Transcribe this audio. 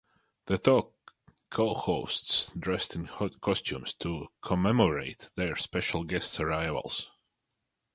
The "Talk" co-hosts dressed in costumes to commemorate their special guests' arrivals.